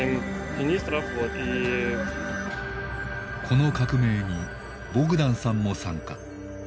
この革命にボグダンさんも参加。